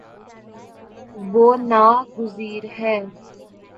وہ نا گزیر ہے